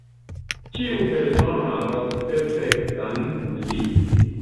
Ĉiu persono havas perfektan "li".